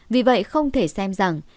vì vậy không thể xem rằng